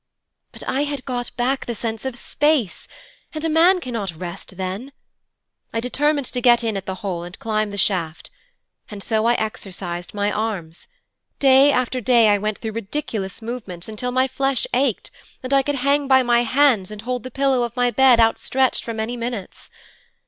'But I had got back the sense of space and a man cannot rest then. I determined to get in at the hole and climb the shaft. And so I exercised my arms. Day after day I went through ridiculous movements, until my flesh ached, and I could hang by my hands and hold the pillow of my bed outstretched for many minutes.